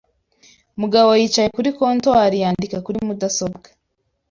Mugabo yicaye kuri comptoir, yandika kuri mudasobwa.